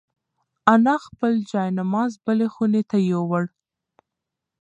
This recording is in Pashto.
انا خپل جاینماز بلې خونې ته یووړ.